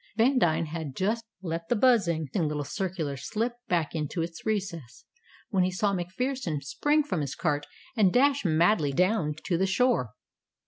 Vandine had just let the buzzing little circular slip back into its recess, when he saw MacPherson spring from his cart and dash madly down to the shore.